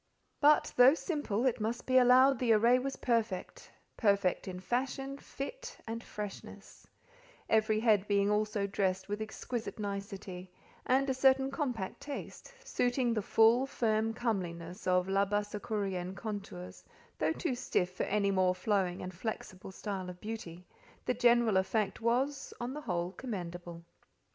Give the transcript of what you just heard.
But though simple, it must be allowed the array was perfect—perfect in fashion, fit, and freshness; every head being also dressed with exquisite nicety, and a certain compact taste—suiting the full, firm comeliness of Labassecourien contours, though too stiff for any more flowing and flexible style of beauty—the general effect was, on the whole, commendable.